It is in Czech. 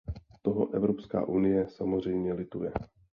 Toho Evropská unie samozřejmě lituje.